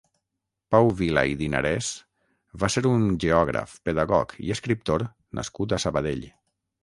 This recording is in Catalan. Pau Vila i Dinarès va ser un geògraf, pedagog i escriptor nascut a Sabadell.